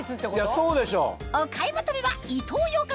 そうでしょ。